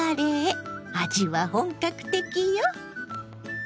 味は本格的よ！